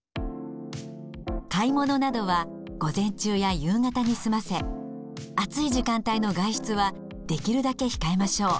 買い物などは午前中や夕方に済ませ暑い時間帯の外出はできるだけ控えましょう。